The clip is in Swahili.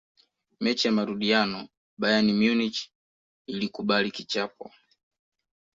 mechi ya marudiano bayern munich ilikubali kichapo